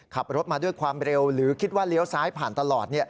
ขับรถมาด้วยความเร็วหรือคิดว่าเลี้ยวซ้ายผ่านตลอด